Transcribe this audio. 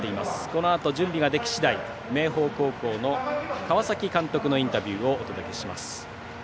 このあと準備でき次第明豊高校の川崎監督のインタビューをお届けします。